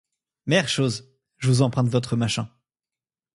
Mère chose, je vous emprunte votre machin.